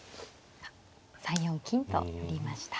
３四金と寄りました。